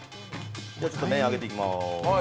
麺、上げていきます。